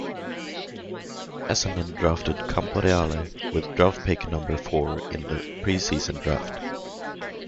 Essendon drafted Camporeale with draft pick number four in the pre-season draft.